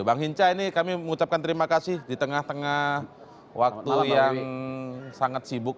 bang hinca ini kami mengucapkan terima kasih di tengah tengah waktu yang sangat sibuk